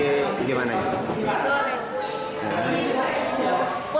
proses penggunaan tempe terus anak juga kita juga jadi nggak bermasalah buruk